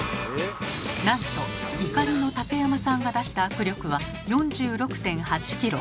なんと怒りの竹山さんが出した握力は４６．８ｋｇ。